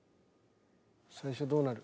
最初どうなる？